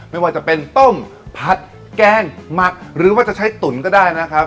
ไม่ว่าจะเป็นต้มผัดแกงหมักหรือว่าจะใช้ตุ๋นก็ได้นะครับ